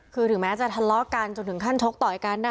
คือถึงแม้จะทะเลาะกันจนถึงขั้นชกต่อยกันนะคะ